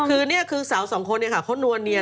คือนี่คือสาวสองคนเนี่ยค่ะเขานัวเนียน